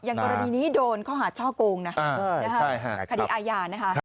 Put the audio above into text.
กรณีนี้โดนข้อหาช่อโกงนะคดีอาญานะคะ